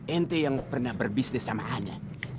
ente yang pernah berbisnis sama hanya